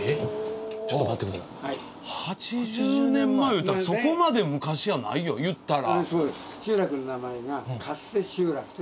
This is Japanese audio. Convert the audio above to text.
８０年前いうたらそこまで昔やないよいったら。